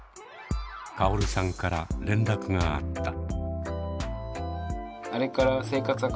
カオルさんから連絡があった。